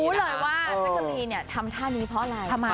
รู้เลยว่าแจ๊กกะรีนเนี่ยทำท่านี้เพราะอะไร